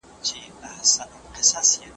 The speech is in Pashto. ټول ښکلي شعرونه وه